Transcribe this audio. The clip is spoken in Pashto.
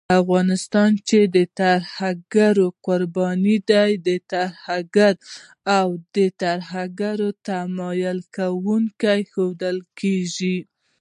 افغانستان چې د ترهګرۍ قرباني دی، ترهګر او د ترهګرۍ تمويلوونکی ښودل کېږي